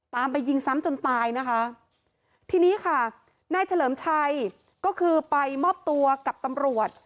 ตามไปยิงซ้ำจนตายนะคะทีนี้ค่ะนายเฉลิมชัยก็คือไปมอบตัวกับตำรวจ